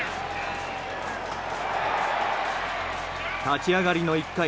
立ち上がりの１回。